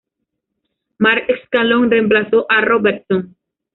Mark Scanlon reemplazo a Robertson.